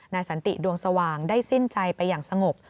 สันติดวงสว่างได้สิ้นใจไปอย่างสงบ